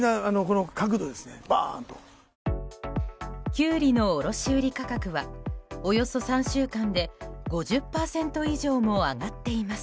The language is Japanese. キュウリの卸売価格はおよそ３週間で５０％以上も上がっています。